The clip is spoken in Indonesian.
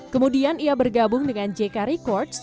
kemudian ia bergabung dengan jk records